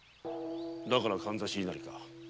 だから“かんざし稲荷”か。